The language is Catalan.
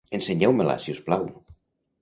Ensenyeu-me-la, si us plau.